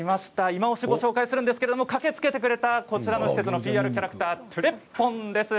いまオシ、ご紹介するんですが駆けつけてくれた、こちらの施設のＰＲキャラクターです。